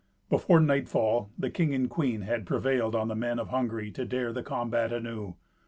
Before nightfall the king and queen had prevailed on the men of Hungary to dare the combat anew.